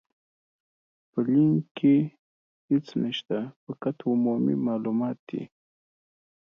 په لينک کې هيڅ نشته، فقط عمومي مالومات دي.